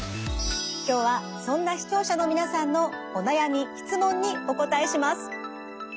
今日はそんな視聴者の皆さんのお悩み質問にお答えします。